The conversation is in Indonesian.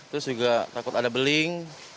terus juga takut ada beling